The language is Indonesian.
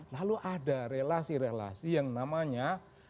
lalu ada relasi relasi yang namanya